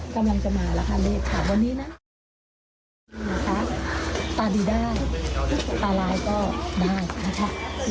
กำลังจะมาแล้วค่ะเลขค่ะวันนี้นะคะตาดีได้ตาร้ายก็ได้นะคะ